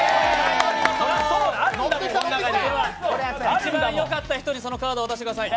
一番よかった人にそのカードを渡してください。